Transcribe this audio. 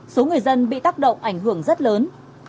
số người dân bị tác động ảnh hưởng rất lớn